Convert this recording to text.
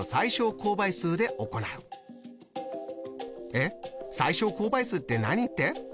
えっ「最小公倍数って何」って？